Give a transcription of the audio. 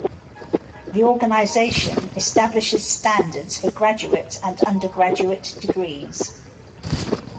The organization establishes standards for graduate and undergraduate degrees.